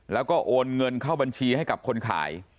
แล้วก็โอนเงินเข้าบัญชีให้กับคนขาย